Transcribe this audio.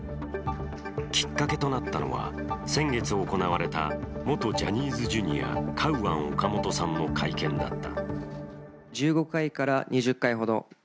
きっかけとなったのは先月行われた元ジャニーズＪｒ．カウアン・オカモトさんの会見だった。